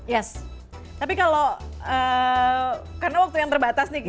yes tapi kalau karena waktu yang terbatas nih